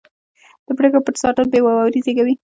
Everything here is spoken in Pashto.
د پرېکړو پټ ساتل بې باوري زېږوي